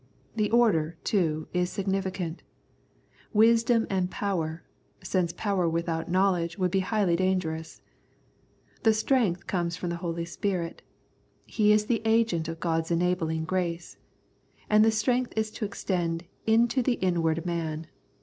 The order, too, is significant ; wisdom and power, since power without knowledge would be highly danger ous. This strength comes from the Holy Spirit ; He is the Agent of God's enabling grace. And the strength is to extend " into the inward man."